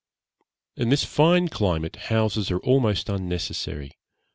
In this fine climate houses are almost unnecessary.